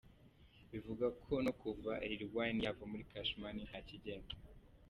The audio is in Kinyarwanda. Bivugwa ko kuva Lil Wayne yava muri Cash Money nta kigenda.